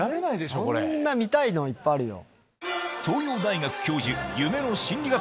見たいのいっぱいあるよ。